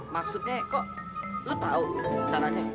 maksudnya kok lu tahu caranya